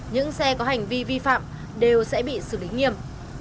những xe có hành vi vi phạm đều sẽ bị xử lý nghiêm